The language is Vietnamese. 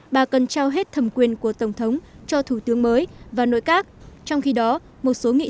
bà cần trao hết thẩm quyền của tổng thống cho thủ tướng mới và nội các trong khi đó một số nghị